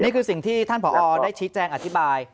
นี่คือสิ่งที่ท่านผอได้ชี้แจงอธิบาย